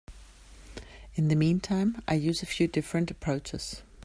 In the meantime, I use a few different approaches.